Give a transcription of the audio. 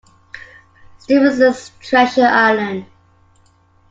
Stevenson's Treasure Island.